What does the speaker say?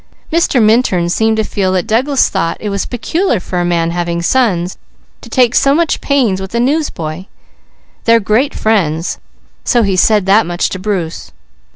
Mr. Minturn seemed to feel that Douglas thought it peculiar for a man having sons, to take so much pains with a newsboy; they're great friends, so he said that much to Bruce."